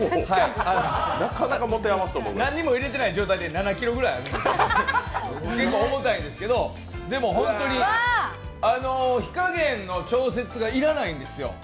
何も入れてない状態で７ｋｇぐらいあって重たいんですけど、でも本当に火加減の調節が要らないんですよ。